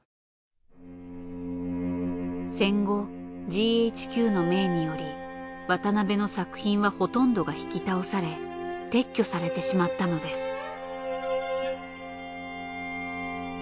戦後ＧＨＱの命により渡辺の作品はほとんどが引き倒され撤去されてしまったのです。